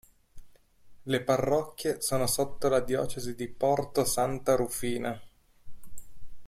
Le parrocchie sono sotto la diocesi di Porto-Santa Rufina.